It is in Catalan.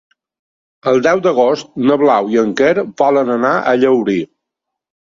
El deu d'agost na Blau i en Quer volen anar a Llaurí.